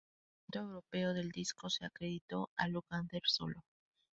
El lanzamiento europeo del disco se acreditó a Lukather solo.